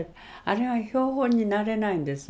あれは標本になれないんです。